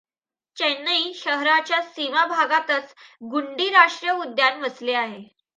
चेन्नई शहराच्या सीमाभागातच गुंडी राष्ट्रिय उद्यान वसले आहे.